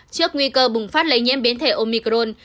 trước nguy cơ bùng phát lây nhiễm biến thể omicron